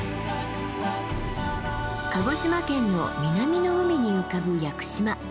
鹿児島県の南の海に浮かぶ屋久島